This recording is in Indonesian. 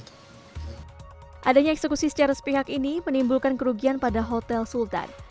ada eksekusi secara sepihak ini menimbulkan kerugian pada hotel sultan